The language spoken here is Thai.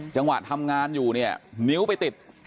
จังหวะทำงานอยู่เนี่ยนิ้วไปติด